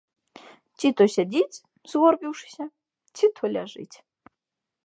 Ці то сядзіць, згорбіўшыся, ці то ляжыць.